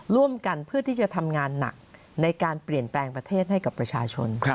เพื่อที่จะทำงานหนักในการเปลี่ยนแปลงประเทศให้กับประชาชน